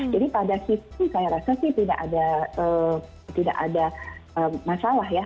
jadi pada sisi saya rasa sih tidak ada masalah ya